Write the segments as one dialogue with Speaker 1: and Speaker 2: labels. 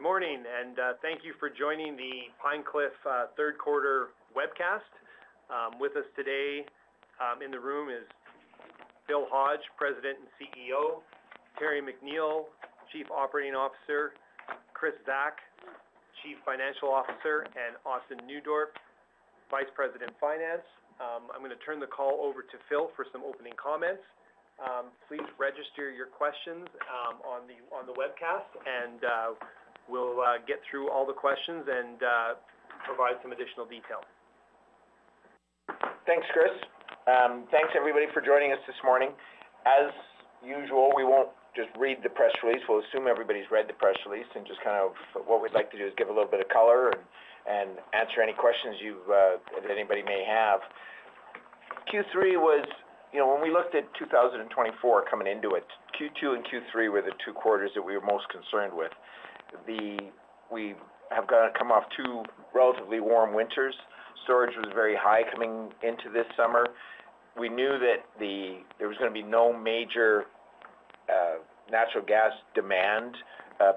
Speaker 1: Good morning, and thank you for joining the Pine Cliff Third Quarter Webcast. With us today in the room is Phil Hodge, President and CEO, Terry McNeill, Chief Operating Officer, Kris Zack, Chief Financial Officer, and Austin Nieuwdorp, Vice President Finance. I'm going to turn the call over to Phil for some opening comments. Please register your questions on the webcast, and we'll get through all the questions and provide some additional detail.
Speaker 2: Thanks, Chris. Thanks, everybody, for joining us this morning. As usual, we won't just read the press release. We'll assume everybody's read the press release, and just kind of what we'd like to do is give a little bit of color and answer any questions that anybody may have. Q3 was, when we looked at 2024 coming into it, Q2 and Q3 were the two quarters that we were most concerned with. We have come off two relatively warm winters. Storage was very high coming into this summer. We knew that there was going to be no major natural gas demand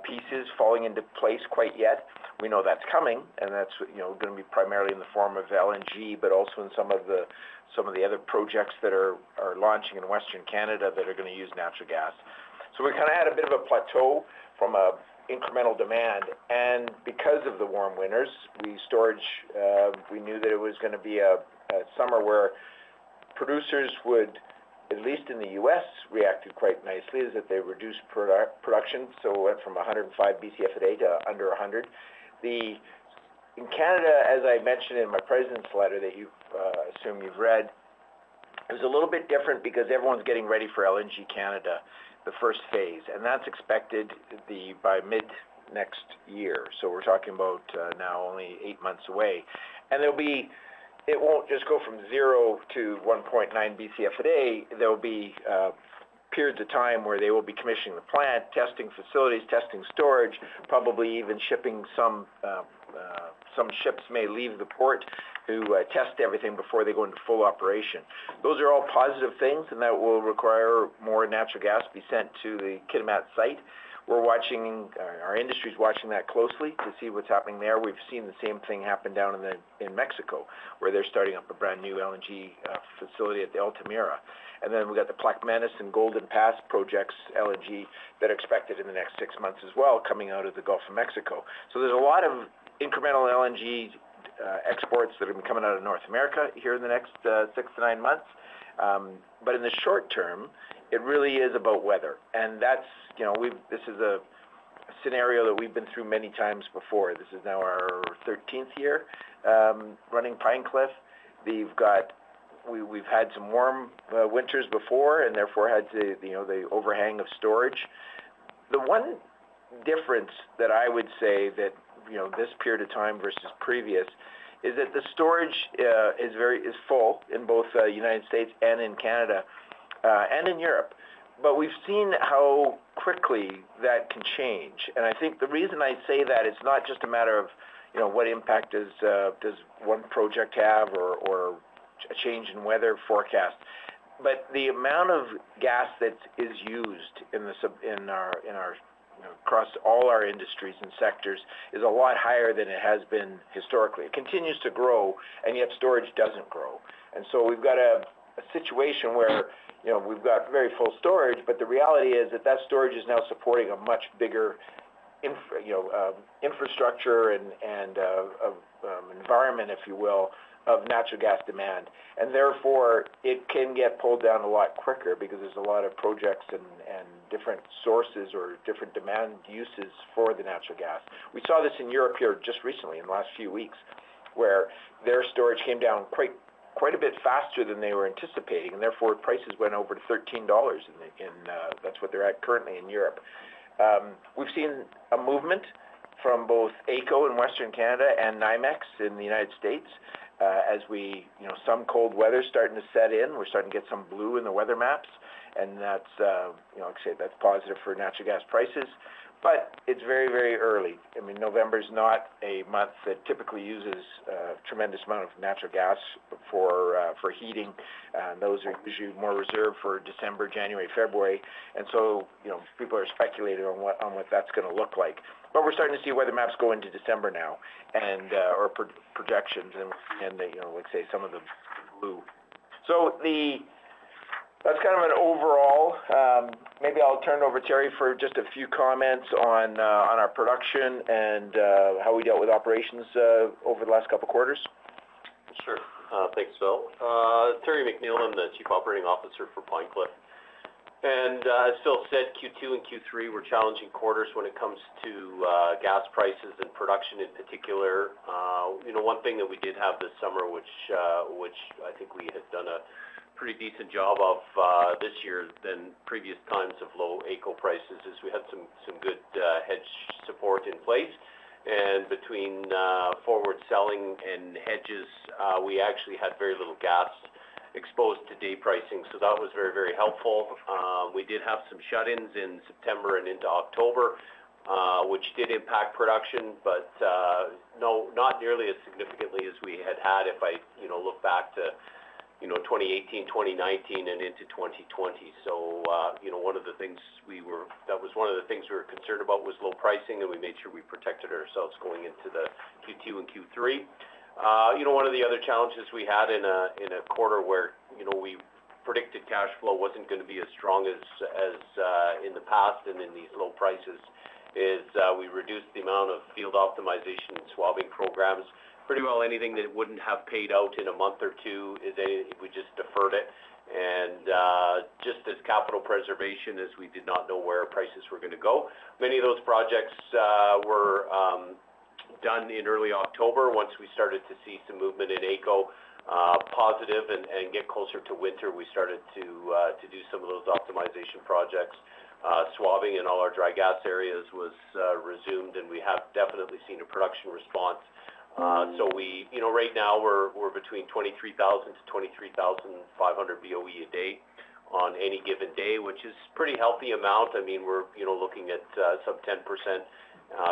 Speaker 2: pieces falling into place quite yet. We know that's coming, and that's going to be primarily in the form of LNG, but also in some of the other projects that are launching in Western Canada that are going to use natural gas. We kind of had a bit of a plateau from incremental demand. Because of the warm winters, we knew that it was going to be a summer where producers would, at least in the U.S., reacted quite nicely as they reduced production. It went from 105 BCF a day to under 100. In Canada, as I mentioned in my president's letter that you assume you've read, it was a little bit different because everyone's getting ready for LNG Canada, the first phase. That's expected by mid next year. We're talking about now only eight months away. It won't just go from zero to 1.9 BCF a day. There'll be periods of time where they will be commissioning the plant, testing facilities, testing storage, probably even shipping some ships may leave the port to test everything before they go into full operation. Those are all positive things, and that will require more natural gas to be sent to the Kitimat site. Our industry is watching that closely to see what's happening there. We've seen the same thing happen down in Mexico, where they're starting up a brand new LNG facility at the Altamira. And then we've got the Plaquemines and Golden Pass projects, LNG, that are expected in the next six months as well, coming out of the Gulf of Mexico. So there's a lot of incremental LNG exports that are coming out of North America here in the next six to nine months. But in the short term, it really is about weather. And this is a scenario that we've been through many times before. This is now our 13th year running Pine Cliff. We've had some warm winters before and therefore had the overhang of storage. The one difference that I would say that this period of time versus previous is that the storage is full in both the United States and in Canada and in Europe. But we've seen how quickly that can change. And I think the reason I say that, it's not just a matter of what impact does one project have or a change in weather forecast, but the amount of gas that is used across all our industries and sectors is a lot higher than it has been historically. It continues to grow, and yet storage doesn't grow. And so we've got a situation where we've got very full storage, but the reality is that that storage is now supporting a much bigger infrastructure and environment, if you will, of natural gas demand. And therefore, it can get pulled down a lot quicker because there's a lot of projects and different sources or different demand uses for the natural gas. We saw this in Europe here just recently in the last few weeks, where their storage came down quite a bit faster than they were anticipating. And therefore, prices went over to $13. That's what they're at currently in Europe. We've seen a movement from both AECO in Western Canada and NYMEX in the United States as some cold weather is starting to set in. We're starting to get some blue in the weather maps. And I'd say that's positive for natural gas prices. But it's very, very early. I mean, November is not a month that typically uses a tremendous amount of natural gas for heating. Those are usually more reserved for December, January, February. And so people are speculating on what that's going to look like. But we're starting to see weather maps go into December now or projections and, like I say, some of the blue. So that's kind of an overall. Maybe I'll turn it over to Terry for just a few comments on our production and how we dealt with operations over the last couple of quarters.
Speaker 3: Sure. Thanks, Phil. Terry McNeill. I'm the Chief Operating Officer for Pine Cliff. And as Phil said, Q2 and Q3 were challenging quarters when it comes to gas prices and production in particular. One thing that we did have this summer, which I think we had done a pretty decent job of this year than previous times of low AECO prices, is we had some good hedge support in place. And between forward selling and hedges, we actually had very little gas exposed to day pricing. So that was very, very helpful. We did have some shut-ins in September and into October, which did impact production, but not nearly as significantly as we had had if I look back to 2018, 2019, and into 2020. So one of the things we were concerned about was low pricing, and we made sure we protected ourselves going into the Q2 and Q3. One of the other challenges we had in a quarter where we predicted cash flow wasn't going to be as strong as in the past and in these low prices is we reduced the amount of field optimization and swabbing programs. Pretty well anything that wouldn't have paid out in a month or two is we just deferred it. And just as capital preservation as we did not know where prices were going to go. Many of those projects were done in early October. Once we started to see some movement in AECO positive and get closer to winter, we started to do some of those optimization projects. Swabbing in all our dry gas areas was resumed, and we have definitely seen a production response. So right now, we're between 23,000 to 23,500 BOE a day on any given day, which is a pretty healthy amount. I mean, we're looking at some 10%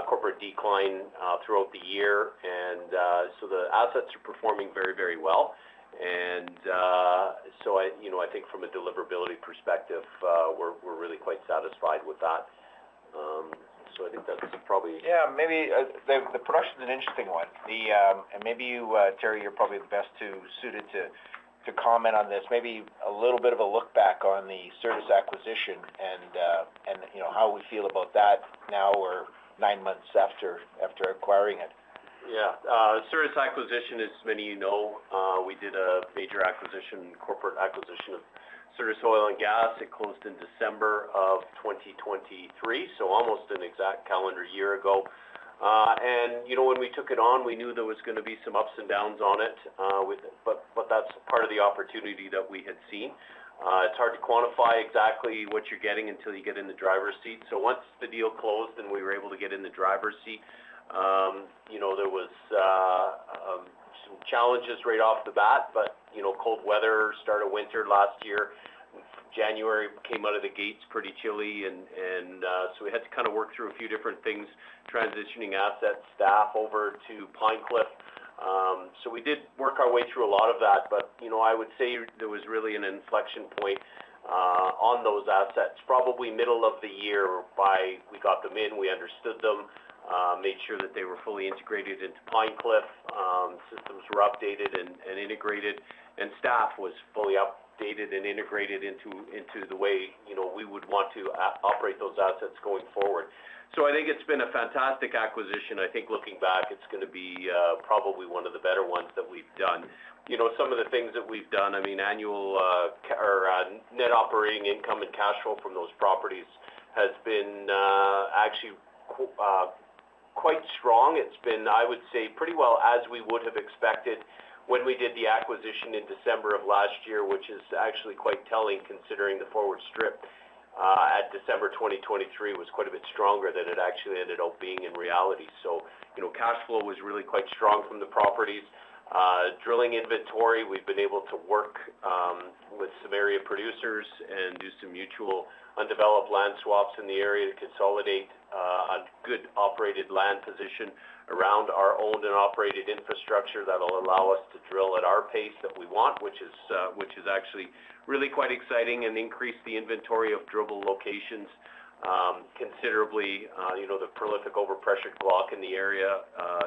Speaker 3: corporate decline throughout the year. And so the assets are performing very, very well. And so I think from a deliverability perspective, we're really quite satisfied with that. So I think that's probably.
Speaker 2: Yeah. Maybe the production is an interesting one, and maybe you, Terry, you're probably the best suited to comment on this. Maybe a little bit of a look back on the Certus acquisition and how we feel about that now or nine months after acquiring it.
Speaker 3: Yeah. Certus acquisition, as many of you know, we did a major corporate acquisition of Certus Oil & Gas. It closed in December of 2023, so almost an exact calendar year ago, and when we took it on, we knew there was going to be some ups and downs on it, but that's part of the opportunity that we had seen. It's hard to quantify exactly what you're getting until you get in the driver's seat. So once the deal closed and we were able to get in the driver's seat, there were some challenges right off the bat, but cold weather, start of winter last year, January came out of the gates pretty chilly, and so we had to kind of work through a few different things, transitioning assets, staff over to Pine Cliff. We did work our way through a lot of that, but I would say there was really an inflection point on those assets. Probably middle of the year by we got them in, we understood them, made sure that they were fully integrated into Pine Cliff. Systems were updated and integrated, and staff was fully updated and integrated into the way we would want to operate those assets going forward. So I think it's been a fantastic acquisition. I think looking back, it's going to be probably one of the better ones that we've done. Some of the things that we've done, I mean, net operating income and cash flow from those properties has been actually quite strong. It's been, I would say, pretty well as we would have expected when we did the acquisition in December of last year, which is actually quite telling considering the forward strip at December 2023 was quite a bit stronger than it actually ended up being in reality, so cash flow was really quite strong from the properties. Drilling inventory, we've been able to work with some area producers and do some mutual undeveloped land swaps in the area to consolidate a good operated land position around our owned and operated infrastructure that will allow us to drill at our pace that we want, which is actually really quite exciting and increase the inventory of drillable locations considerably. The prolific OverPressured block in the area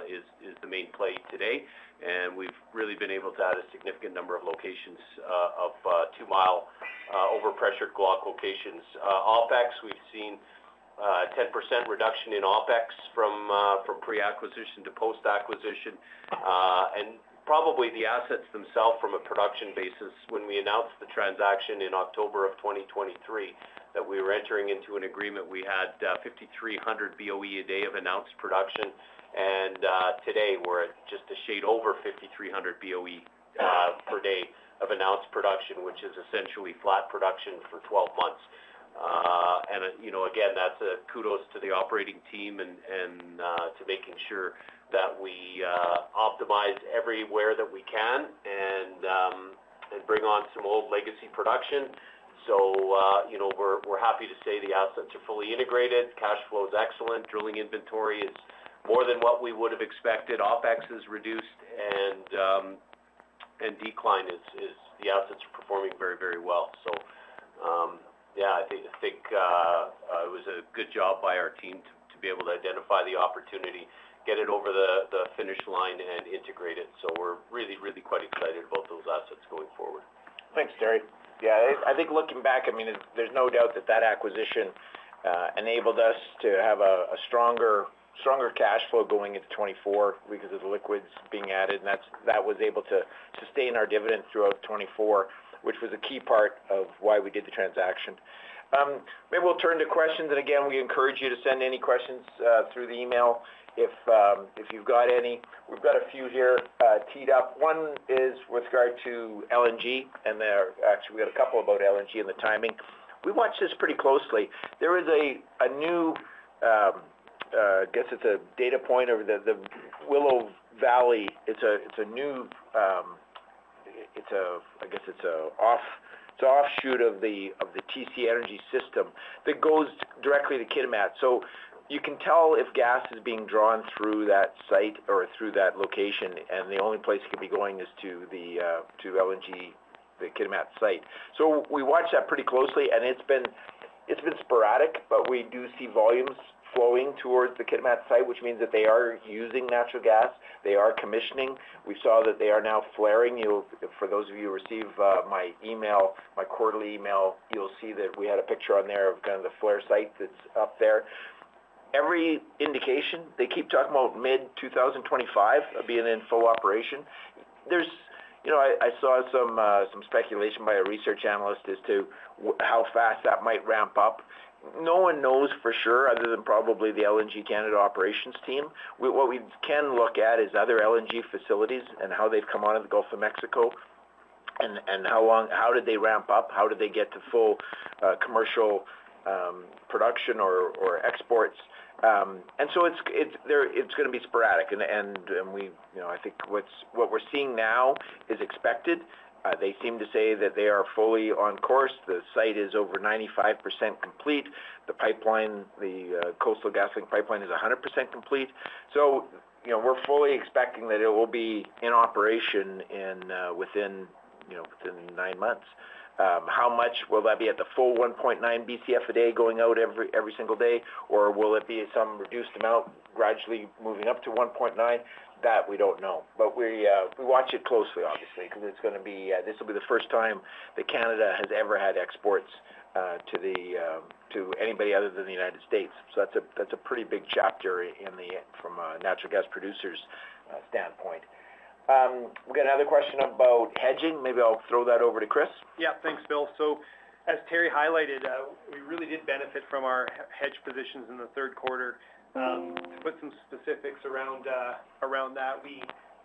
Speaker 3: is the main play today, and we've really been able to add a significant number of locations of two-mile OverPressured block locations. OpEx, we've seen a 10% reduction in OpEx from pre-acquisition to post-acquisition, and probably the assets themselves from a production basis, when we announced the transaction in October of 2023, that we were entering into an agreement, we had 5,300 BOE a day of announced production, and today, we're at just a shade over 5,300 BOE per day of announced production, which is essentially flat production for 12 months, and again, that's a kudos to the operating team and to making sure that we optimize everywhere that we can and bring on some old legacy production, so we're happy to say the assets are fully integrated. Cash flow is excellent. Drilling inventory is more than what we would have expected. OpEx is reduced and decline. The assets are performing very, very well. So yeah, I think it was a good job by our team to be able to identify the opportunity, get it over the finish line, and integrate it. So we're really, really quite excited about those assets going forward.
Speaker 2: Thanks, Terry. Yeah. I think looking back, I mean, there's no doubt that that acquisition enabled us to have a stronger cash flow going into 2024 because of the liquids being added, and that was able to sustain our dividend throughout 2024, which was a key part of why we did the transaction. Maybe we'll turn to questions, and again, we encourage you to send any questions through the email if you've got any. We've got a few here teed up. One is with regard to LNG, and actually, we had a couple about LNG and the timing. We watch this pretty closely. There is a new, I guess it's a data point over the Willow Valley. It's a new, I guess it's an offshoot of the TC Energy system that goes directly to Kitimat. So you can tell if gas is being drawn through that site or through that location. And the only place it could be going is to LNG, the Kitimat site. So we watch that pretty closely. And it's been sporadic, but we do see volumes flowing towards the Kitimat site, which means that they are using natural gas. They are commissioning. We saw that they are now flaring. For those of you who receive my quarterly email, you'll see that we had a picture on there of kind of the flare site that's up there. Every indication, they keep talking about mid-2025 being in full operation. I saw some speculation by a research analyst as to how fast that might ramp up. No one knows for sure other than probably the LNG Canada operations team. What we can look at is other LNG facilities and how they've come out of the Gulf of Mexico and how did they ramp up? How did they get to full commercial production or exports? And so it's going to be sporadic. And I think what we're seeing now is expected. They seem to say that they are fully on course. The site is over 95% complete. The Coastal GasLink pipeline is 100% complete. So we're fully expecting that it will be in operation within nine months. How much will that be at the full 1.9 BCF a day going out every single day? Or will it be some reduced amount gradually moving up to 1.9? That we don't know. But we watch it closely, obviously, because this will be the first time that Canada has ever had exports to anybody other than the United States. So that's a pretty big chapter from a natural gas producer's standpoint. We've got another question about hedging. Maybe I'll throw that over to Kris.
Speaker 4: Yeah. Thanks, Phil. So as Terry highlighted, we really did benefit from our hedge positions in the third quarter. To put some specifics around that, we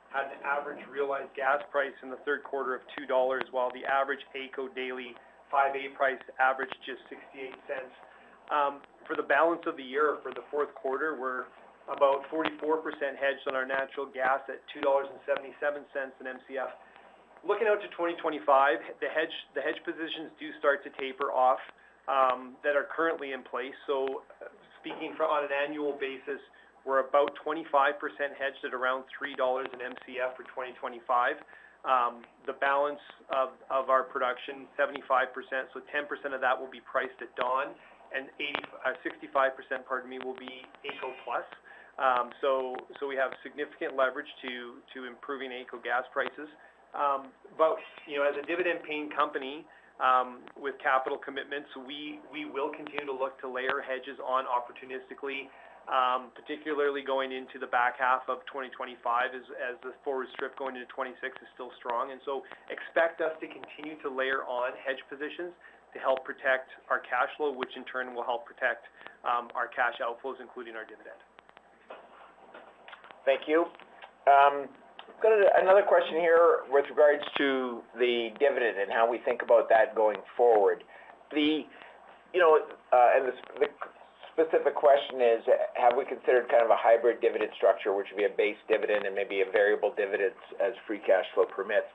Speaker 4: had an average realized gas price in the third quarter of $2, while the average AECO daily 5A price averaged just $0.68. For the balance of the year for the fourth quarter, we're about 44% hedged on our natural gas at $2.77 an MCF. Looking out to 2025, the hedge positions do start to taper off that are currently in place. So speaking on an annual basis, we're about 25% hedged at around $3 an MCF for 2025. The balance of our production, 75%, so 10% of that will be priced at Dawn and 65%, pardon me, will be AECO Plus. So we have significant leverage to improving AECO gas prices. But as a dividend-paying company with capital commitments, we will continue to look to layer hedges on opportunistically, particularly going into the back half of 2025 as the forward strip going into 2026 is still strong. And so expect us to continue to layer on hedge positions to help protect our cash flow, which in turn will help protect our cash outflows, including our dividend.
Speaker 2: Thank you. Another question here with regards to the dividend and how we think about that going forward. And the specific question is, have we considered kind of a hybrid dividend structure, which would be a base dividend and maybe a variable dividend as free cash flow permits?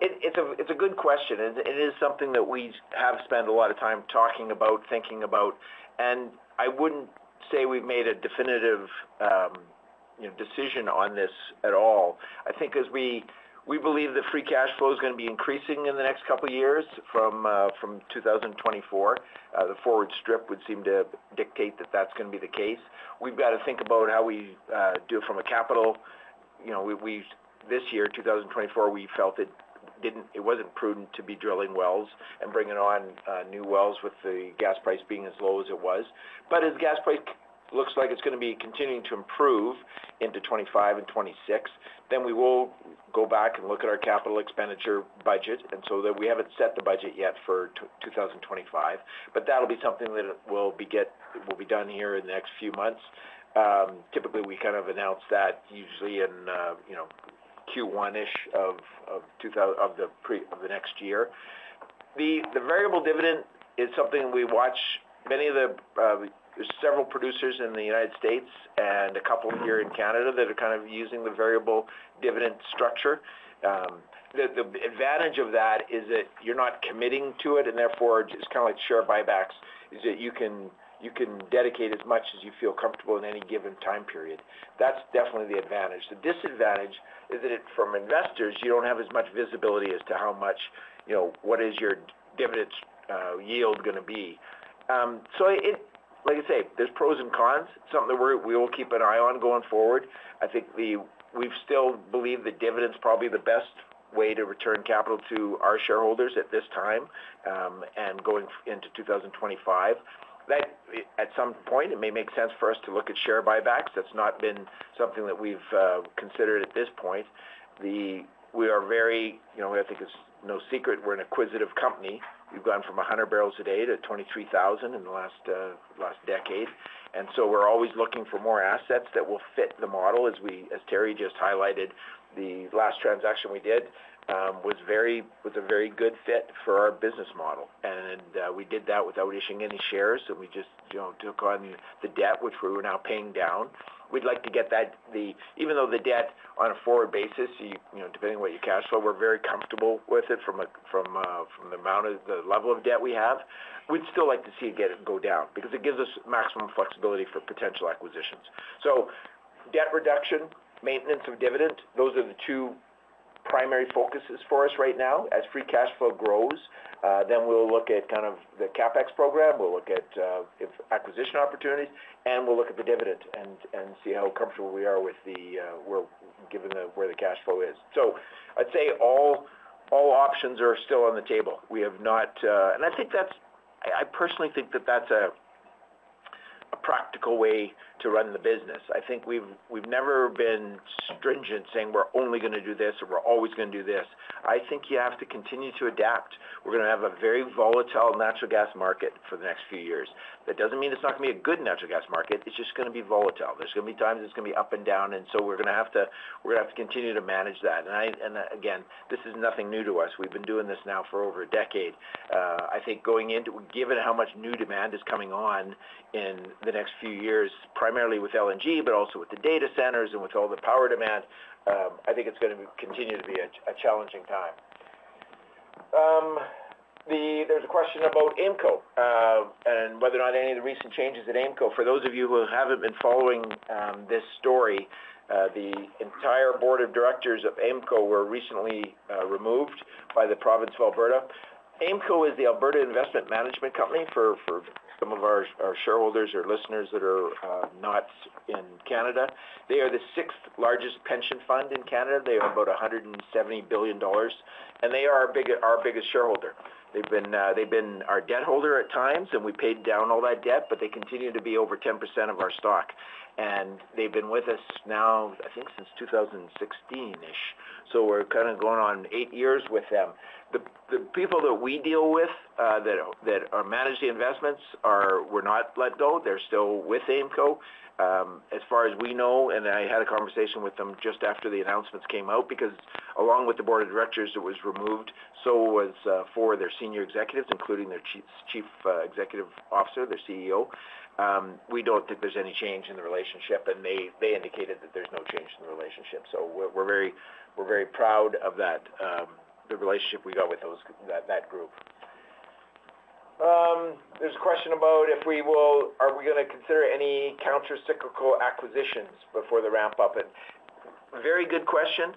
Speaker 2: It's a good question. It is something that we have spent a lot of time talking about, thinking about. And I wouldn't say we've made a definitive decision on this at all. I think as we believe the free cash flow is going to be increasing in the next couple of years from 2024. The forward strip would seem to dictate that that's going to be the case. We've got to think about how we do it from a capital. This year, 2024, we felt it wasn't prudent to be drilling wells and bringing on new wells with the gas price being as low as it was. But as gas price looks like it's going to be continuing to improve into 2025 and 2026, then we will go back and look at our capital expenditure budget. And so we haven't set the budget yet for 2025, but that'll be something that will be done here in the next few months. Typically, we kind of announce that usually in Q1-ish of the next year. The variable dividend is something we watch. Many of the several producers in the United States and a couple here in Canada that are kind of using the variable dividend structure. The advantage of that is that you're not committing to it. And therefore, it's kind of like share buybacks is that you can dedicate as much as you feel comfortable in any given time period. That's definitely the advantage. The disadvantage is that from investors, you don't have as much visibility as to how much what is your dividend yield going to be. So like I say, there's pros and cons. It's something that we will keep an eye on going forward. I think we still believe that dividend is probably the best way to return capital to our shareholders at this time and going into 2025. At some point, it may make sense for us to look at share buybacks. That's not been something that we've considered at this point. We are very, I think it's no secret, we're an acquisitive company. We've gone from 100 barrels a day to 23,000 in the last decade. And so we're always looking for more assets that will fit the model. As Terry just highlighted, the last transaction we did was a very good fit for our business model. And we did that without issuing any shares. And we just took on the debt, which we were now paying down. We'd like to get that, even though the debt on a forward basis, depending on what your cash flow, we're very comfortable with it from the level of debt we have. We'd still like to see it go down because it gives us maximum flexibility for potential acquisitions. So debt reduction, maintenance of dividend, those are the two primary focuses for us right now. As free cash flow grows, then we'll look at kind of the CapEx program. We'll look at acquisition opportunities, and we'll look at the dividend and see how comfortable we are given where the cash flow is. So I'd say all options are still on the table. And I think that's. I personally think that that's a practical way to run the business. I think we've never been stringent saying we're only going to do this or we're always going to do this. I think you have to continue to adapt. We're going to have a very volatile natural gas market for the next few years. That doesn't mean it's not going to be a good natural gas market. It's just going to be volatile. There's going to be times it's going to be up and down. And so we're going to have to continue to manage that. And again, this is nothing new to us. We've been doing this now for over a decade. I think going into, given how much new demand is coming on in the next few years, primarily with LNG, but also with the data centers and with all the power demand, I think it's going to continue to be a challenging time. There's a question about AIMCo and whether or not any of the recent changes at AIMCo. For those of you who haven't been following this story, the entire board of directors of AIMCo were recently removed by the province of Alberta. AIMCo is the Alberta Investment Management Company for some of our shareholders or listeners that are not in Canada. They are the sixth largest pension fund in Canada. They are about 170 billion dollars, and they are our biggest shareholder. They've been our debt holder at times, and we paid down all that debt, but they continue to be over 10% of our stock. They've been with us now, I think, since 2016-ish. So we're kind of going on eight years with them. The people that we deal with that manage the investments were not let go. They're still with AIMCo as far as we know. And I had a conversation with them just after the announcements came out because along with the board of directors that was removed, so was four of their senior executives, including their Chief Executive Officer, their CEO. We don't think there's any change in the relationship, and they indicated that there's no change in the relationship. So we're very proud of the relationship we got with that group. There's a question about if we will—are we going to consider any countercyclical acquisitions before the ramp-up? And very good question.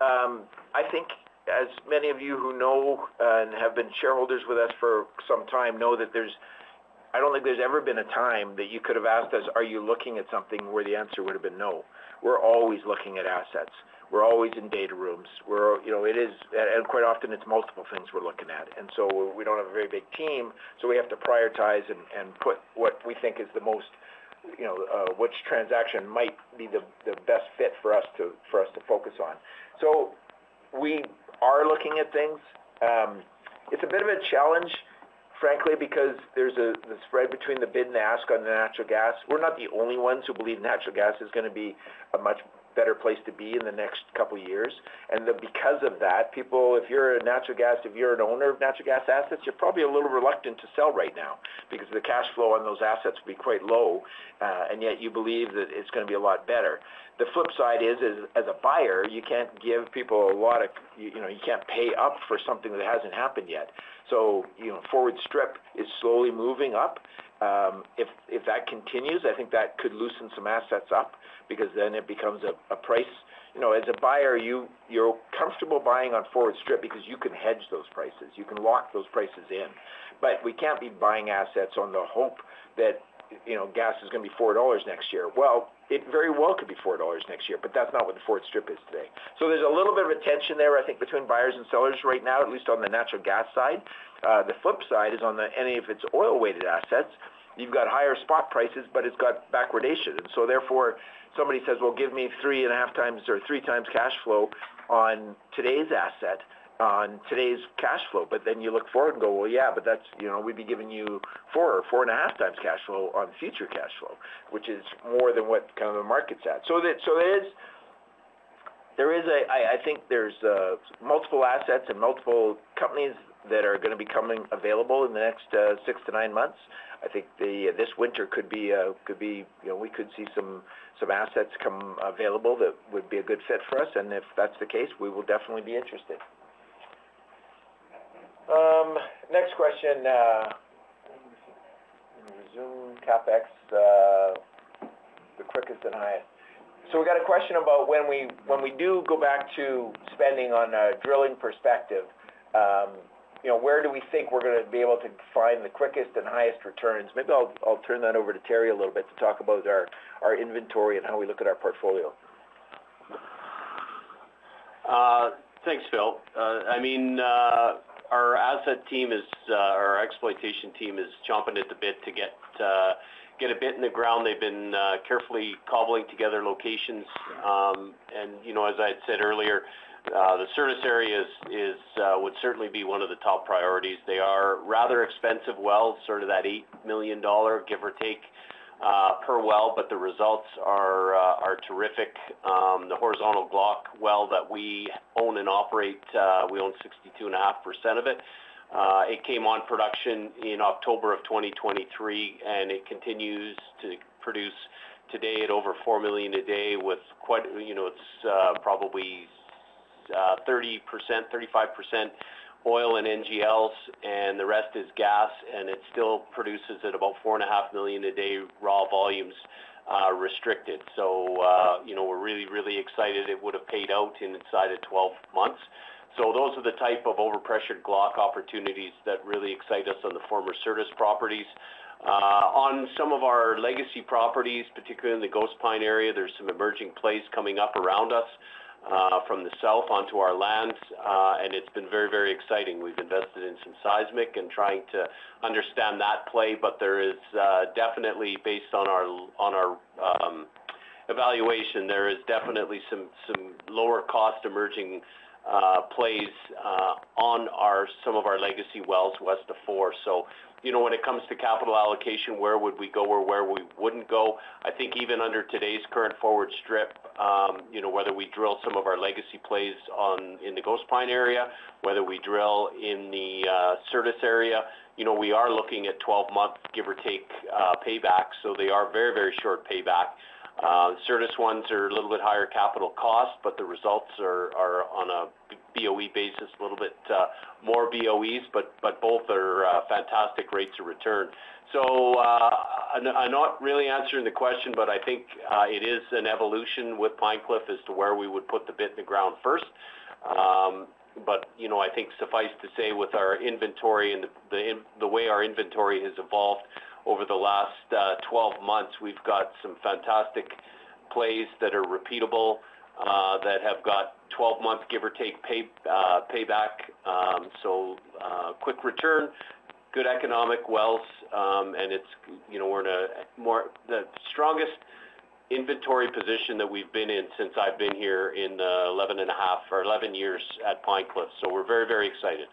Speaker 2: I think as many of you who know and have been shareholders with us for some time know that there's. I don't think there's ever been a time that you could have asked us, "Are you looking at something?" where the answer would have been no. We're always looking at assets. We're always in data rooms. And quite often, it's multiple things we're looking at. And so we don't have a very big team. So we have to prioritize and put what we think is the most, which transaction might be the best fit for us to focus on. So we are looking at things. It's a bit of a challenge, frankly, because there's the spread between the bid and the ask on the natural gas. We're not the only ones who believe natural gas is going to be a much better place to be in the next couple of years. And because of that, if you're a natural gas, if you're an owner of natural gas assets, you're probably a little reluctant to sell right now because the cash flow on those assets will be quite low. And yet you believe that it's going to be a lot better. The flip side is, as a buyer, you can't give people a lot of, you can't pay up for something that hasn't happened yet. So forward strip is slowly moving up. If that continues, I think that could loosen some assets up because then it becomes a price. As a buyer, you're comfortable buying on forward strip because you can hedge those prices. You can lock those prices in. But we can't be buying assets on the hope that gas is going to be $4 next year. It very well could be $4 next year, but that's not what the forward strip is today. So there's a little bit of a tension there, I think, between buyers and sellers right now, at least on the natural gas side. The flip side is on any of its oil-weighted assets. You've got higher spot prices, but it's got backwardation. And so therefore, somebody says, "Well, give me three and a half times or three times cash flow on today's asset, on today's cash flow." But then you look forward and go, "Well, yeah, but we'd be giving you four or four and a half times cash flow on future cash flow," which is more than what kind of the market's at. So there is a. I think there's multiple assets and multiple companies that are going to be coming available in the next six to nine months. I think this winter could be, we could see some assets come available that would be a good fit for us. And if that's the case, we will definitely be interested. Next question. Let me resume. CapEx, the quickest and highest. So we got a question about when we do go back to spending on a drilling perspective, where do we think we're going to be able to find the quickest and highest returns? Maybe I'll turn that over to Terry a little bit to talk about our inventory and how we look at our portfolio.
Speaker 3: Thanks, Phil. I mean, our asset team is, our exploitation team is chomping at the bit to get a bit in the ground. They've been carefully cobbling together locations. And as I had said earlier, the Certus area would certainly be one of the top priorities. They are rather expensive wells, sort of that 8 million dollar, give or take, per well. But the results are terrific. The horizontal block well that we own and operate, we own 62.5% of it. It came on production in October of 2023, and it continues to produce today at over 4 million a day with probably 30%, 35% oil and NGLs, and the rest is gas. And it still produces at about 4.5 million a day raw volumes restricted. So we're really, really excited. It would have paid out inside of 12 months. Those are the type of OverPressured block opportunities that really excite us on the former Certus properties. On some of our legacy properties, particularly in the Ghost Pine area, there's some emerging plays coming up around us from the south onto our lands. And it's been very, very exciting. We've invested in some seismic and trying to understand that play. But there is definitely, based on our evaluation, there is definitely some lower-cost emerging plays on some of our legacy wells west of four. So when it comes to capital allocation, where would we go or where we wouldn't go? I think even under today's current forward strip, whether we drill some of our legacy plays in the Ghost Pine area, whether we drill in the Certus area, we are looking at 12-month, give or take, payback. So they are very, very short payback. Certus ones are a little bit higher capital cost, but the results are on a BOE basis, a little bit more BOEs, but both are fantastic rates of return. So I'm not really answering the question, but I think it is an evolution with Pine Cliff as to where we would put the bit in the ground first. But I think suffice to say with our inventory and the way our inventory has evolved over the last 12 months, we've got some fantastic plays that are repeatable that have got 12-month, give or take, payback. So quick return, good economic wells, and we're in the strongest inventory position that we've been in since I've been here in 11 and a half or 11 years at Pine Cliff. So we're very, very excited.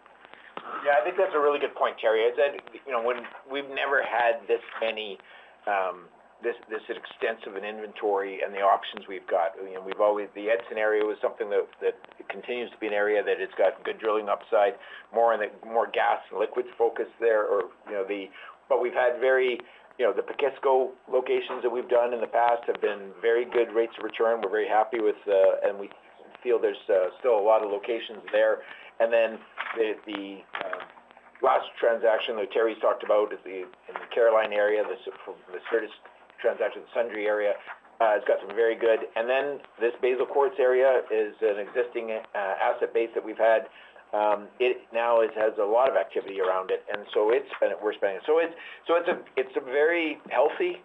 Speaker 2: Yeah. I think that's a really good point, Terry. I said we've never had this many—this extensive an inventory and the options we've got. The Edson area is something that continues to be an area that has got good drilling upside, more gas and liquid focus there. But we've had very, the Pacheco locations that we've done in the past have been very good rates of return. We're very happy with, and we feel there's still a lot of locations there. And then the last transaction that Terry talked about in the Caroline area, the Certus transaction, the Sundre area, it's got some very good. And then this Basal Quartz area is an existing asset base that we've had. It now has a lot of activity around it. And so we're spending it. So it's a very healthy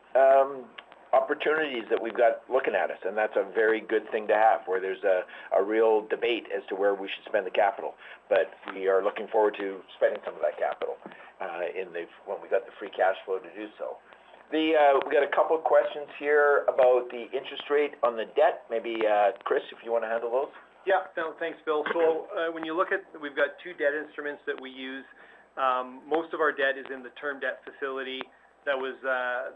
Speaker 2: opportunity that we've got looking at us. And that's a very good thing to have where there's a real debate as to where we should spend the capital. But we are looking forward to spending some of that capital when we've got the free cash flow to do so. We've got a couple of questions here about the interest rate on the debt. Maybe Kris, if you want to handle those.
Speaker 4: Yeah. Thanks, Phil. So when you look at, we've got two debt instruments that we use. Most of our debt is in the term debt facility that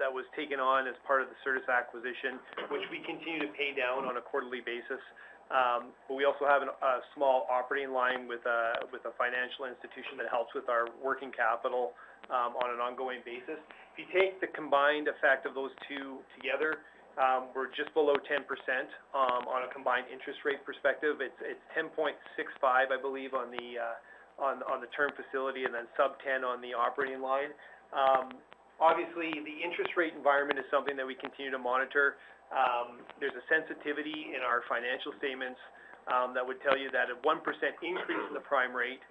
Speaker 4: was taken on as part of the Certus acquisition, which we continue to pay down on a quarterly basis. But we also have a small operating line with a financial institution that helps with our working capital on an ongoing basis. If you take the combined effect of those two together, we're just below 10% on a combined interest rate perspective. It's 10.65, I believe, on the term facility and then sub-10 on the operating line. Obviously, the interest rate environment is something that we continue to monitor. There's a sensitivity in our financial statements that would tell you that a 1% increase in the prime rate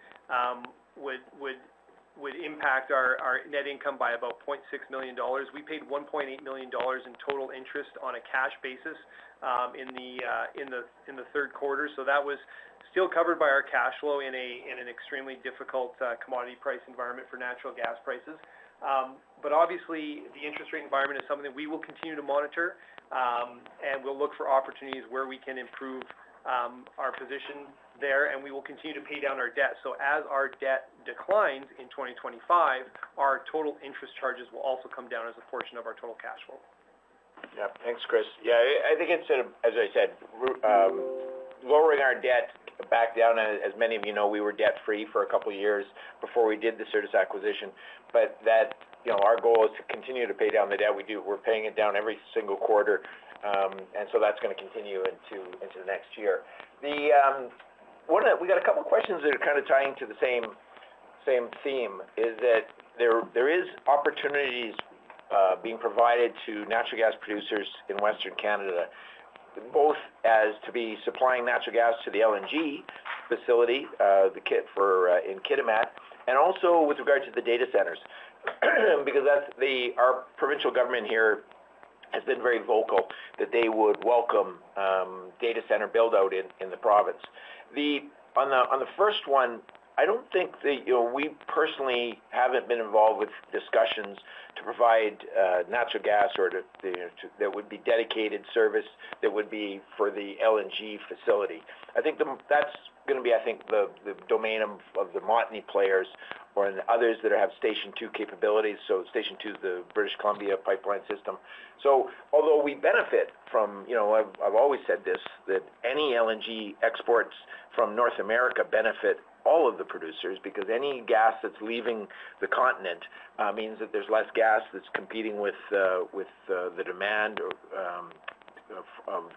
Speaker 4: would impact our net income by about $0.6 million. We paid $1.8 million in total interest on a cash basis in the third quarter. So that was still covered by our cash flow in an extremely difficult commodity price environment for natural gas prices. But obviously, the interest rate environment is something that we will continue to monitor, and we'll look for opportunities where we can improve our position there. And we will continue to pay down our debt. So as our debt declines in 2025, our total interest charges will also come down as a portion of our total cash flow.
Speaker 2: Yeah. Thanks, Kris. Yeah. I think it's, as I said, lowering our debt back down. As many of you know, we were debt-free for a couple of years before we did the Certus acquisition. But our goal is to continue to pay down the debt. We're paying it down every single quarter. And so that's going to continue into the next year. We've got a couple of questions that are kind of tying to the same theme, is that there are opportunities being provided to natural gas producers in Western Canada, both as to be supplying natural gas to the LNG facility, the Kitimat LNG Canada, and also with regard to the data centers because our provincial government here has been very vocal that they would welcome data center build-out in the province. On the first one, I don't think that we personally haven't been involved with discussions to provide natural gas or that would be dedicated Certus that would be for the LNG facility. I think that's going to be, I think, the domain of the major players or the others that have Station 2 capabilities. So Station 2 is the British Columbia pipeline system. So although we benefit from, I've always said this, that any LNG exports from North America benefit all of the producers because any gas that's leaving the continent means that there's less gas that's competing with the demand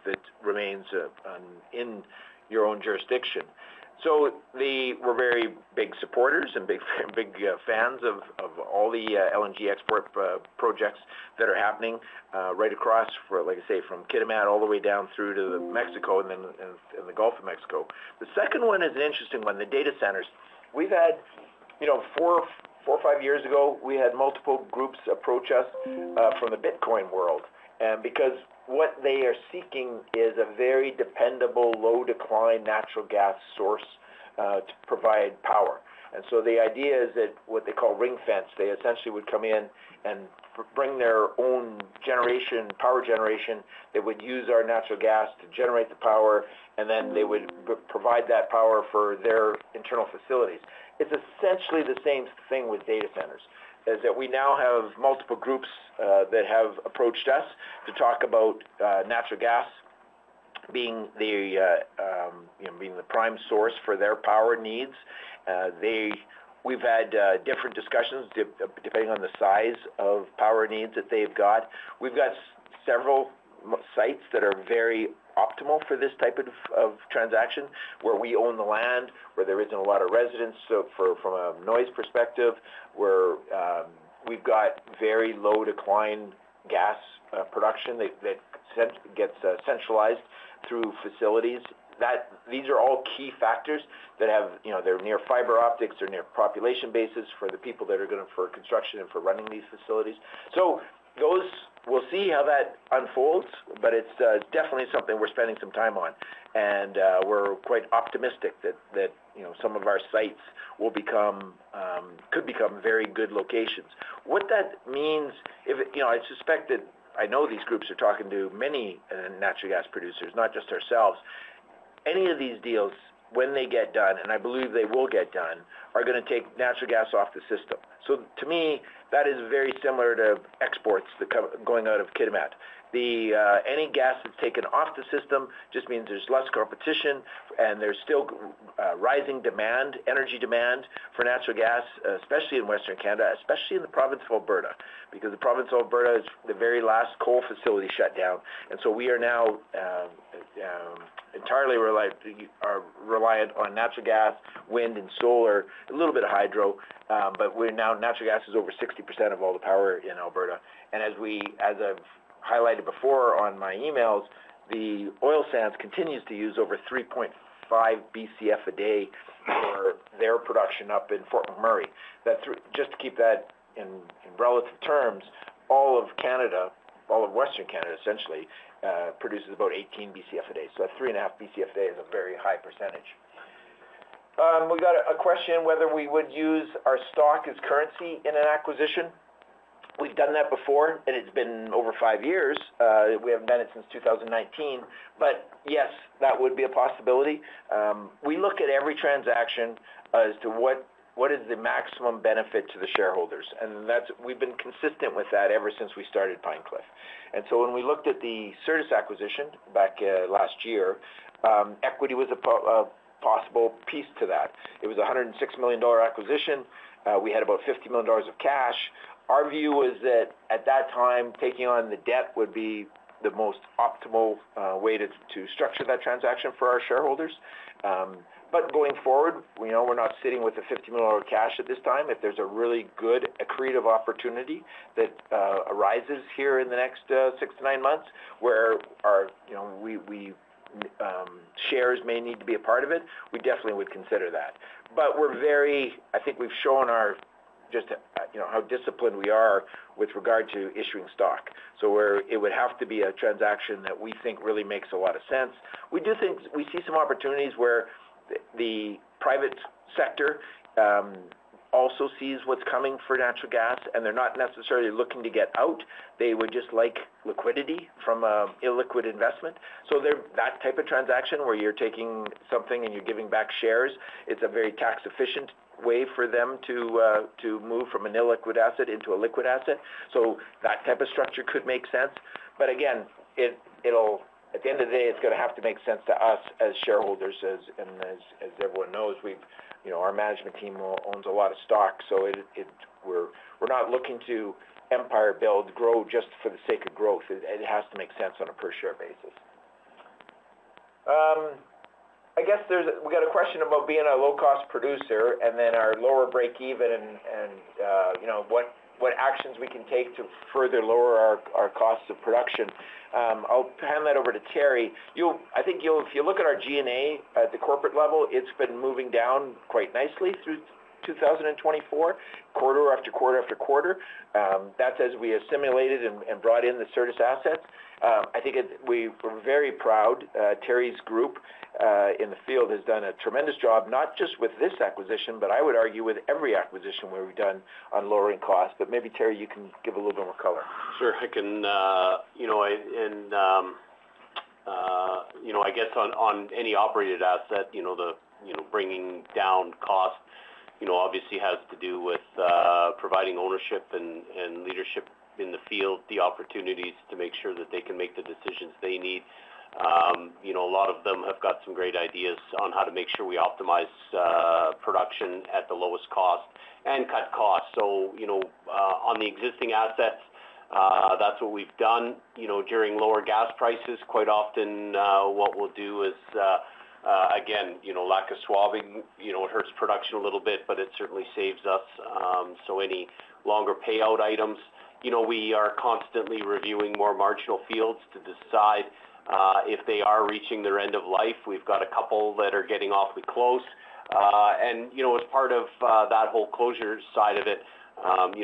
Speaker 2: that remains in your own jurisdiction. So we're very big supporters and big fans of all the LNG export projects that are happening right across, like I say, from Kitimat all the way down through to Mexico and the Gulf of Mexico. The second one is an interesting one, the data centers. We've had, four or five years ago, we had multiple groups approach us from the Bitcoin world because what they are seeking is a very dependable, low-decline natural gas source to provide power. And so the idea is that what they call ring fence, they essentially would come in and bring their own power generation. They would use our natural gas to generate the power, and then they would provide that power for their internal facilities. It's essentially the same thing with data centers, in that we now have multiple groups that have approached us to talk about natural gas being the prime source for their power needs. We've had different discussions depending on the size of power needs that they've got. We've got several sites that are very optimal for this type of transaction where we own the land, where there isn't a lot of residents. So from a noise perspective, we've got very low-decline gas production that gets centralized through facilities. These are all key factors that have—they're near fiber optics or near population bases for the people that are going to construction and for running these facilities. So we'll see how that unfolds, but it's definitely something we're spending some time on. And we're quite optimistic that some of our sites could become very good locations. What that means, I suspect that I know these groups are talking to many natural gas producers, not just ourselves. Any of these deals, when they get done, and I believe they will get done, are going to take natural gas off the system. To me, that is very similar to exports going out of Kitimat. Any gas that's taken off the system just means there's less competition, and there's still rising energy demand for natural gas, especially in Western Canada, especially in the province of Alberta because the province of Alberta is the very last coal facility shut down. We are now entirely reliant on natural gas, wind, and solar, a little bit of hydro. But now natural gas is over 60% of all the power in Alberta. As I've highlighted before on my emails, the oil sands continues to use over 3.5 BCF a day for their production up in Fort McMurray. Just to keep that in relative terms, all of Canada, all of Western Canada essentially, produces about 18 BCF a day. That's 3.5 BCF a day is a very high percentage. We've got a question whether we would use our stock as currency in an acquisition. We've done that before, and it's been over five years. We haven't done it since 2019. But yes, that would be a possibility. We look at every transaction as to what is the maximum benefit to the shareholders. And we've been consistent with that ever since we started Pine Cliff. And so when we looked at the Certus acquisition back last year, equity was a possible piece to that. It was a 106 million dollar acquisition. We had about 50 million dollars of cash. Our view was that at that time, taking on the debt would be the most optimal way to structure that transaction for our shareholders. But going forward, we're not sitting with a 50 million cash at this time. If there's a really good accretive opportunity that arises here in the next six to nine months where our shares may need to be a part of it, we definitely would consider that. But I think we've shown just how disciplined we are with regard to issuing stock. So it would have to be a transaction that we think really makes a lot of sense. We see some opportunities where the private sector also sees what's coming for natural gas, and they're not necessarily looking to get out. They would just like liquidity from an illiquid investment. So that type of transaction where you're taking something and you're giving back shares, it's a very tax-efficient way for them to move from an illiquid asset into a liquid asset. So that type of structure could make sense. But again, at the end of the day, it's going to have to make sense to us as shareholders. And as everyone knows, our management team owns a lot of stock. So we're not looking to empire build, grow just for the sake of growth. It has to make sense on a per-share basis. I guess we've got a question about being a low-cost producer and then our lower break-even and what actions we can take to further lower our costs of production. I'll hand that over to Terry. I think if you look at our G&A at the corporate level, it's been moving down quite nicely through 2024, quarter after quarter after quarter. That's as we assimilated and brought in the Certus assets. I think we're very proud. Terry's group in the field has done a tremendous job, not just with this acquisition, but I would argue with every acquisition where we've done on lowering costs but maybe, Terry, you can give a little bit more color.
Speaker 3: Sure. I can, and I guess on any operated asset, the bringing down cost obviously has to do with providing ownership and leadership in the field, the opportunities to make sure that they can make the decisions they need. A lot of them have got some great ideas on how to make sure we optimize production at the lowest cost and cut costs, so on the existing assets, that's what we've done. During lower gas prices, quite often what we'll do is, again, lack of swabbing. It hurts production a little bit, but it certainly saves us. So any longer payout items, we are constantly reviewing more marginal fields to decide if they are reaching their end of life. We've got a couple that are getting awfully close. And as part of that whole closure side of it,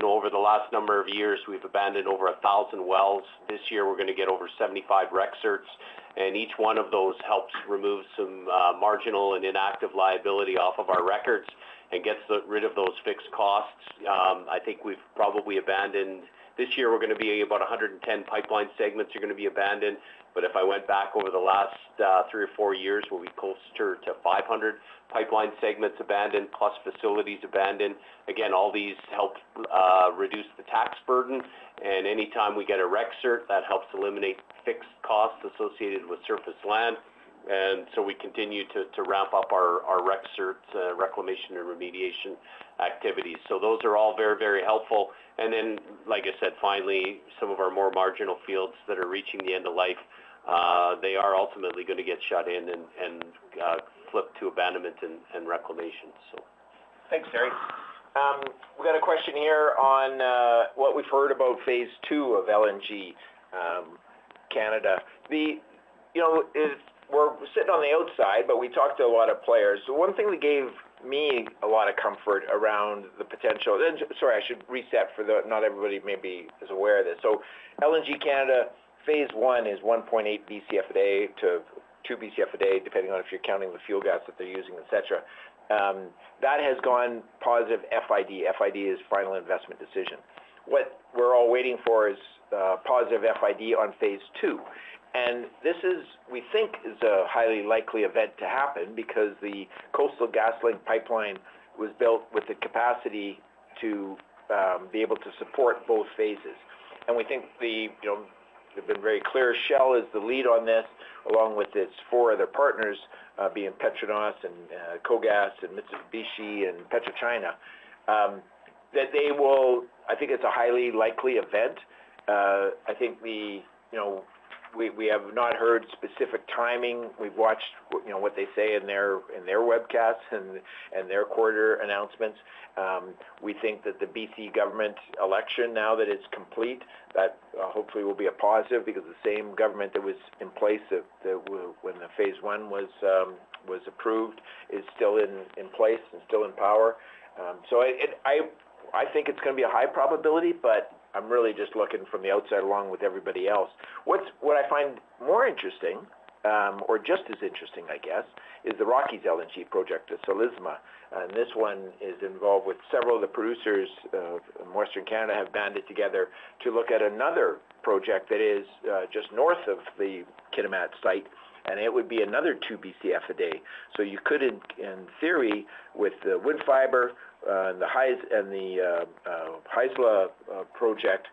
Speaker 3: over the last number of years, we've abandoned over 1,000 wells. This year, we're going to get over 75 reclamation certificates. And each one of those helps remove some marginal and inactive liability off of our records and gets rid of those fixed costs. I think we've probably abandoned this year; we're going to be about 110 pipeline segments that are going to be abandoned. But if I went back over the last three or four years, we're closer to 500 pipeline segments abandoned plus facilities abandoned. Again, all these help reduce the tax burden. And anytime we get a reclamation certificate, that helps eliminate fixed costs associated with surface land. And so we continue to ramp up our Reclamation Certificates, reclamation, and remediation activities. So those are all very, very helpful. And then, like I said, finally, some of our more marginal fields that are reaching the end of life, they are ultimately going to get shut in and flip to abandonment and reclamation, so.
Speaker 2: Thanks, Terry. We've got a question here on what we've heard about phase II of LNG Canada. We're sitting on the outside, but we talked to a lot of players, so one thing that gave me a lot of comfort around the potential, sorry, I should reset for not everybody maybe is aware of this, so LNG Canada, phase I is 1.8 BCF a day to 2 BCF a day, depending on if you're counting the fuel gas that they're using, etc. That has gone positive FID. FID is final investment decision. What we're all waiting for is positive FID on phase II, and this is, we think, a highly likely event to happen because the Coastal GasLink pipeline was built with the capacity to be able to support both phases, and we think they've been very clear. Shell is the lead on this, along with its four other partners being PETRONAS and KOGAS and Mitsubishi and PetroChina, that they will. I think it's a highly likely event. I think we have not heard specific timing. We've watched what they say in their webcasts and their quarter announcements. We think that the BC government election, now that it's complete, that hopefully will be a positive because the same government that was in place when phase I was approved is still in place and still in power. So I think it's going to be a high probability, but I'm really just looking from the outside along with everybody else. What I find more interesting, or just as interesting, I guess, is the Rockies LNG project at Ksi Lisims. And this one is involved with several of the producers of Western Canada have banded together to look at another project that is just north of the Kitimat site. And it would be another 2 BCF a day. So you could, in theory, with the Woodfibre and the Haisla project,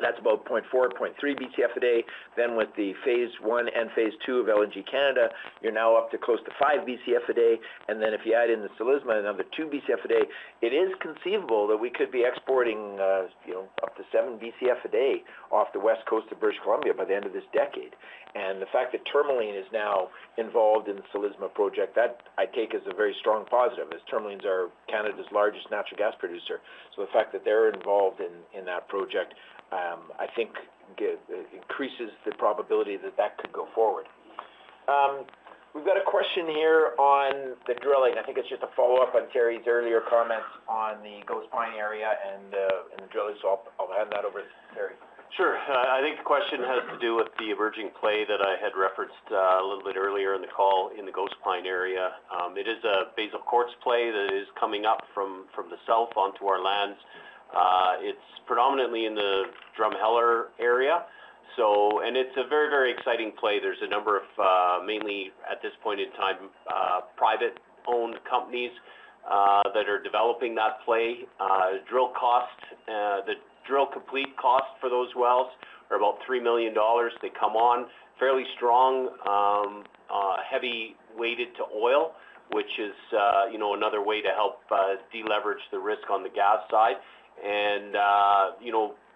Speaker 2: that's about 0.4, 0.3 BCF a day. Then with the phase I and phase II of LNG Canada, you're now up to close to 5 BCF a day. And then if you add in the Ksi Lisims, another 2 BCF a day, it is conceivable that we could be exporting up to 7 BCF a day off the west coast of British Columbia by the end of this decade. And the fact that Tourmaline is now involved in the Ksi Lisims project, that I take as a very strong positive, as Tourmaline is Canada's largest natural gas producer. So the fact that they're involved in that project, I think, increases the probability that that could go forward. We've got a question here on the drilling. I think it's just a follow-up on Terry's earlier comments on the Ghost Pine area and the drilling. So I'll hand that over to Terry.
Speaker 3: Sure. I think the question has to do with the emerging play that I had referenced a little bit earlier in the call in the Ghost Pine area. It is a Basal Quartz play that is coming up from the south onto our lands. It's predominantly in the Drumheller area. And it's a very, very exciting play. There's a number of, mainly at this point in time, privately owned companies that are developing that play. Drill cost, the drill complete cost for those wells are about 3 million dollars. They come on fairly strong, heavily weighted to oil, which is another way to help deleverage the risk on the gas side. And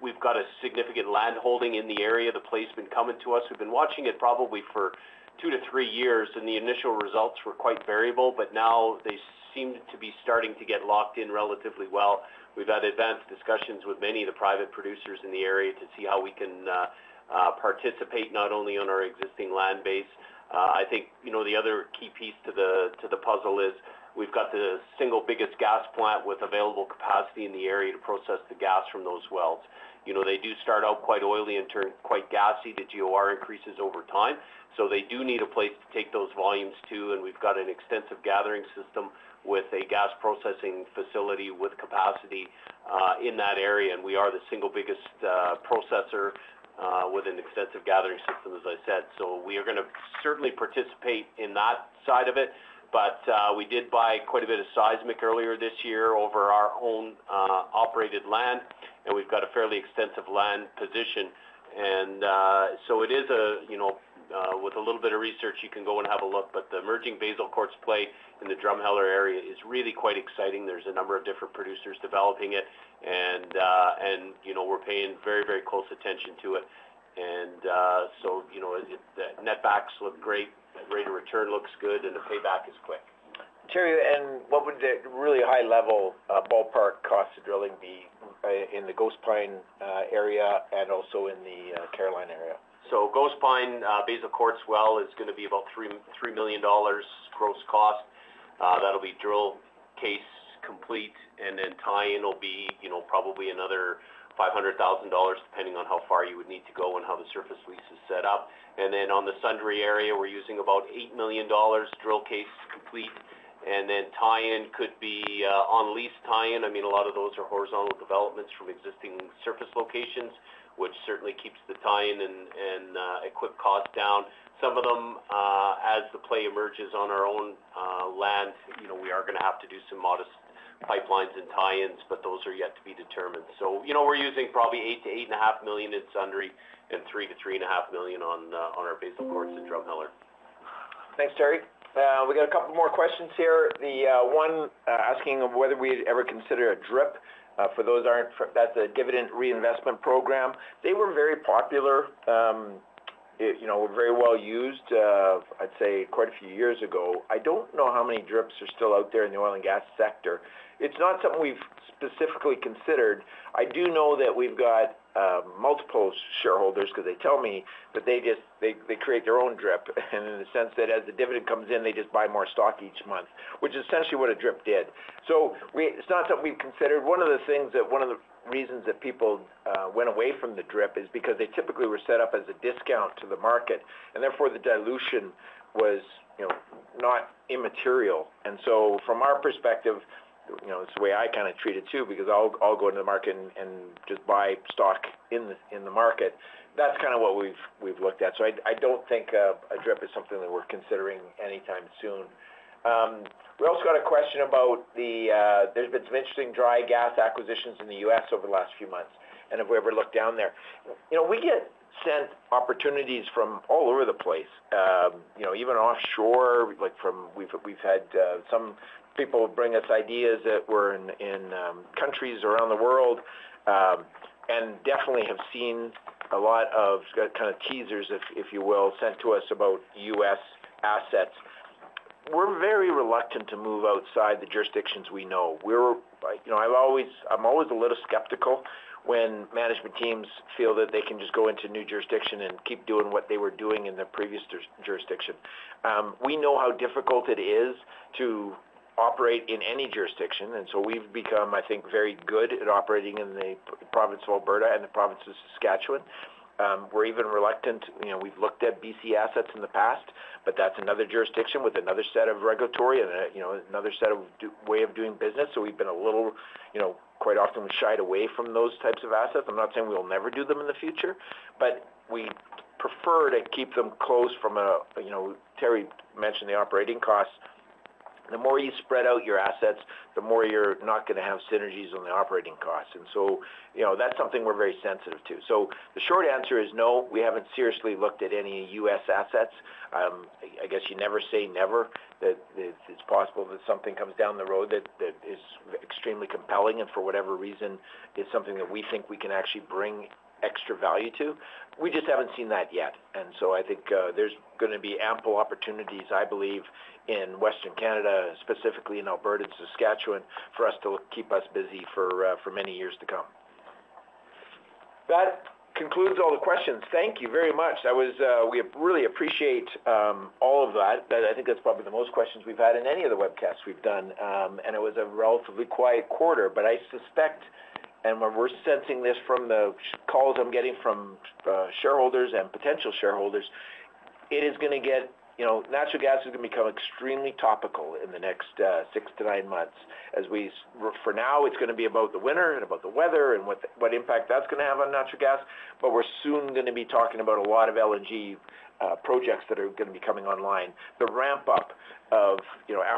Speaker 3: we've got a significant land holding in the area. The play has been coming to us. We've been watching it probably for two to three years, and the initial results were quite variable. But now they seem to be starting to get locked in relatively well. We've had advanced discussions with many of the private producers in the area to see how we can participate not only on our existing land base. I think the other key piece to the puzzle is we've got the single biggest gas plant with available capacity in the area to process the gas from those wells. They do start out quite oily and turn quite gassy. The GOR increases over time. So they do need a place to take those volumes to. And we've got an extensive gathering system with a gas processing facility with capacity in that area. And we are the single biggest processor with an extensive gathering system, as I said. So we are going to certainly participate in that side of it. But we did buy quite a bit of seismic earlier this year over our own operated land. And we've got a fairly extensive land position. And so, with a little bit of research, you can go and have a look. But the emerging Basal Quartz play in the Drumheller area is really quite exciting. There's a number of different producers developing it. And we're paying very, very close attention to it. And so the netback's internal rate of return looks good, and the payback is quick.
Speaker 2: Terry, and what would the really high-level ballpark cost of drilling be in the Ghost Pine area and also in the Caroline area?
Speaker 3: Ghost Pine, Basal Quartz well is going to be about $3 million gross cost. That'll be drill case complete. And then tie-in will be probably another $500,000 depending on how far you would need to go and how the surface lease is set up. And then on the Sundre area, we're using about $8 million drill case complete. And then tie-in could be on-lease tie-in. I mean, a lot of those are horizontal developments from existing surface locations, which certainly keeps the tie-in and equip cost down. Some of them, as the play emerges on our own land, we are going to have to do some modest pipelines and tie-ins, but those are yet to be determined. So we're using probably 8-8.5 million in Sundre and 3-3.5 million on our Basal Quartz and Drumheller.
Speaker 2: Thanks, Terry. We got a couple more questions here. The one asking whether we'd ever consider a DRIP. For those that aren't, that's a dividend reinvestment program. They were very popular, very well used. I'd say quite a few years ago. I don't know how many DRIPs are still out there in the oil and gas sector. It's not something we've specifically considered. I do know that we've got multiple shareholders because they tell me that they create their own DRIP. And in the sense that as the dividend comes in, they just buy more stock each month, which is essentially what a DRIP did. So it's not something we've considered. One of the things that one of the reasons that people went away from the DRIP is because they typically were set up as a discount to the market. And therefore, the dilution was not immaterial. And so from our perspective, it's the way I kind of treat it too, because I'll go into the market and just buy stock in the market. That's kind of what we've looked at. So I don't think a DRIP is something that we're considering anytime soon. We also got a question about. There's been some interesting dry gas acquisitions in the U.S. over the last few months. And if we ever look down there, we get sent opportunities from all over the place, even offshore. We've had some people bring us ideas that were in countries around the world and definitely have seen a lot of kind of teasers, if you will, sent to us about U.S. assets. We're very reluctant to move outside the jurisdictions we know. I'm always a little skeptical when management teams feel that they can just go into a new jurisdiction and keep doing what they were doing in the previous jurisdiction. We know how difficult it is to operate in any jurisdiction. And so we've become, I think, very good at operating in the province of Alberta and the province of Saskatchewan. We're even reluctant. We've looked at BC assets in the past, but that's another jurisdiction with another set of regulatory and another set of way of doing business. So we've been a little quite often shy away from those types of assets. I'm not saying we'll never do them in the future, but we prefer to keep them close from a Terry mentioned the operating costs. The more you spread out your assets, the more you're not going to have synergies on the operating costs. And so that's something we're very sensitive to. So the short answer is no. We haven't seriously looked at any U.S. assets. I guess you never say never. It's possible that something comes down the road that is extremely compelling and for whatever reason is something that we think we can actually bring extra value to. We just haven't seen that yet. And so I think there's going to be ample opportunities, I believe, in Western Canada, specifically in Alberta and Saskatchewan, for us to keep us busy for many years to come. That concludes all the questions. Thank you very much. We really appreciate all of that. I think that's probably the most questions we've had in any of the webcasts we've done. And it was a relatively quiet quarter. But I suspect, and we're sensing this from the calls I'm getting from shareholders and potential shareholders, it is going to get, natural gas is going to become extremely topical in the next six to nine months. For now, it's going to be about the winter and about the weather and what impact that's going to have on natural gas. But we're soon going to be talking about a lot of LNG projects that are going to be coming online. The ramp-up of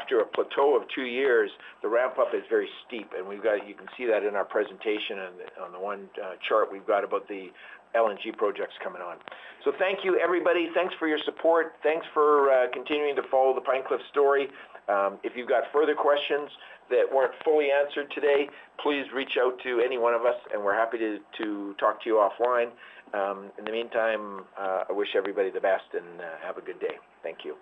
Speaker 2: after a plateau of two years, the ramp-up is very steep. And you can see that in our presentation on the one chart we've got about the LNG projects coming on. So thank you, everybody. Thanks for your support. Thanks for continuing to follow the Pine Cliff story. If you've got further questions that weren't fully answered today, please reach out to any one of us, and we're happy to talk to you offline. In the meantime, I wish everybody the best and have a good day. Thank you.